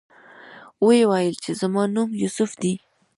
ویې ویل چې زما نوم یوسف دی.